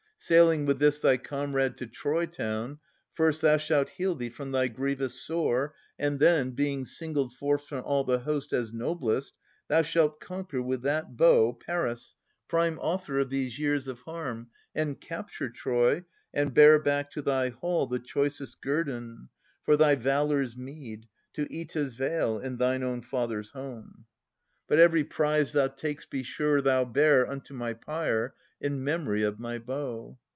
Sailing with this thy comrade to Troy town, First thou shalt heal thee from thy grievous sore. And then, being singled forth from all the host As noblest, thou shalt conquer with that bow Paris, prime author of these years of harm. And capture Troy, and bear back to thy hall The choicest guerdon, for thy valour's meed, To Oeta's vale and thine own father's home. 3i8 Philoctetes [1431 1463 But every prize thou tak'st be sure thou bear Unto my pyre, in memory of my bow.